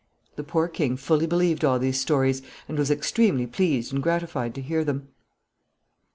The poor king fully believed all these stories, and was extremely pleased and gratified to hear them.